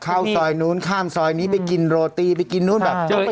เข้าซอยนู้นข้ามซอยนี้ไปกินโรตีไปกินนู้นแบบ